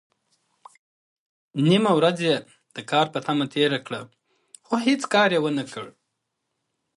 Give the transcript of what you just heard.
نيمه ورځ يې د کار په تمه تېره کړه، خو هيڅ کار يې ونکړ.